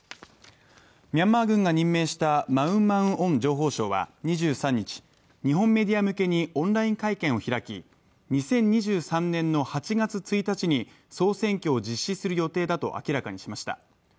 ミャンマー軍が任命したマウン・マウン・オン情報相は２３日、日本メディア向けにオンライン会見を開き、２０２３年の８月１日に総選挙を実施する予定だと明らかにしました。